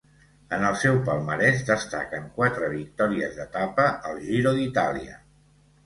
En el seu palmarès destaquen quatre victòries d'etapa al Giro d'Itàlia.